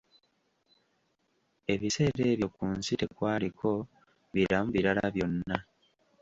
Ebiseera ebyo ku nsi tekwaliko biramu birala byonna